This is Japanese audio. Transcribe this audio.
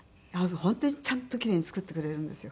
本当にちゃんとキレイに作ってくれるんですよ。